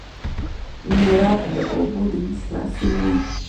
میرآب د اوبو د ویش مسوول وي.